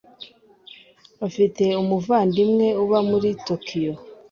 Afite umuvandimwe uba muri Tokiyo.